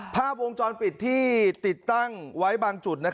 ภาพวงจรปิดที่ติดตั้งไว้บางจุด